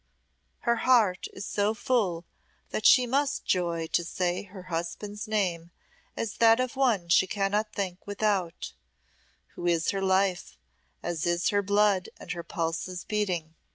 Her heart is so full that she must joy to say her husband's name as that of one she cannot think without who is her life as is her blood and her pulses beating.